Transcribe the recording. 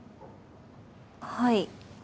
はい。